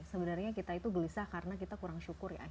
sebenarnya kita itu gelisah karena kita kurang syukur ya